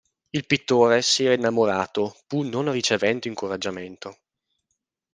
Il pittore si era innamorato, pur non ricevendo incoraggiamento.